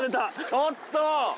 ちょっと！